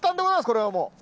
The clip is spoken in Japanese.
これはもう。